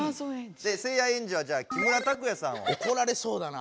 せいやエンジはじゃあ木村拓哉さんを。